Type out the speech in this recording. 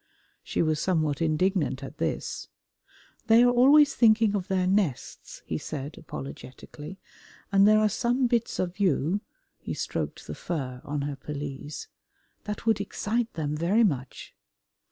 She was somewhat indignant at this. "They are always thinking of their nests," he said apologetically, "and there are some bits of you" he stroked the fur on her pelisse "that would excite them very much."